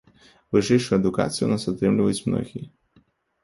Вышэйшую адукацыю ў нас атрымліваюць многія.